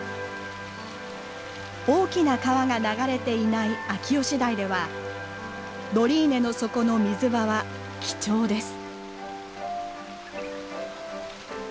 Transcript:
大きな川が流れていない秋吉台ではドリーネの底の水場は貴重です。